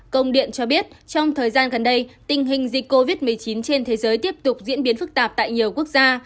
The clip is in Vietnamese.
công điện cho biết trong thời gian gần đây tình hình dịch covid một mươi chín trên thế giới tiếp tục diễn biến phức tạp tại nhiều quốc gia